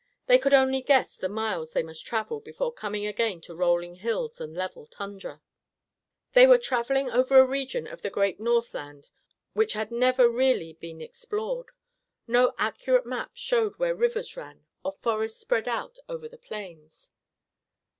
They could only guess the miles they must travel before coming again to rolling hills and level tundra. They were traveling over a region of the great Northland which had never really been explored. No accurate maps showed where rivers ran or forests spread out over the plains.